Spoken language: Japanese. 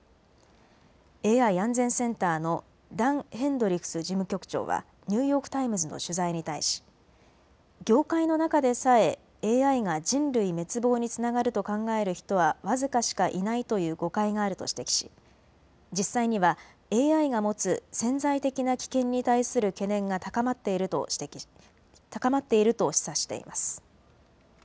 ＡＩ安全センターのダン・ヘンドリクス事務局長はニューヨーク・タイムズの取材に対し業界の中でさえＡＩが人類滅亡につながると考える人は僅かしかいないという誤解があると指摘し実際にはＡＩが持つ潜在的な危険に対する懸念が高まっていると示唆しています。